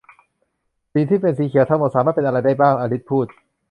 'สิ่งที่เป็นสีเขียวทั้งหมดสามารถเป็นอะไรได้บ้าง ?' อลิซพูด